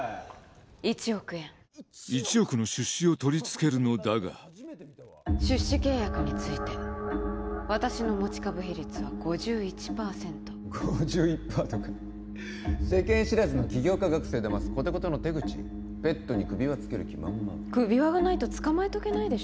１億円１億の出資を取りつけるのだが出資契約について私の持ち株比率は５１％５１パーとか世間知らずの起業家学生だますコテコテの手口ペットに首輪つける気満々首輪がないとつかまえとけないでしょ